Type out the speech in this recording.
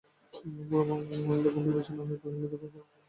পুরবালা গম্ভীর বিষণ্ন হইয়া কহিল, দেখো, এখন বাবা নেই।